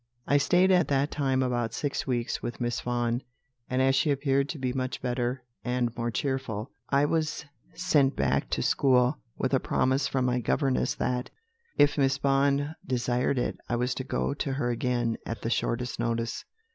"I stayed at that time about six weeks with Miss Vaughan; and as she appeared to be much better and more cheerful, I was sent back to school, with a promise from my governesses that, if Miss Vaughan desired it, I was to go to her again at the shortest notice.